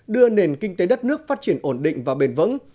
đưa nền kinh tế đất nước phát triển ổn định và bền vững